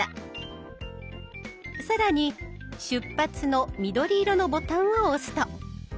更に「出発」の緑色のボタンを押すと。